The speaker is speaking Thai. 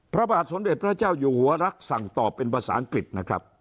พระบาทสมเด็จพระเจ้าอยู่หัวรักสั่งตอบเป็นภาษาอังกฤษนะครับ